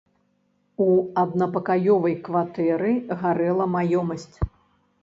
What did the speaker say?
У аднапакаёвай кватэры гарэла маёмасць.